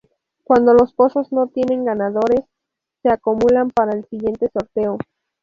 Cuando los pozos no tienen ganadores, se acumulan para el siguiente sorteo.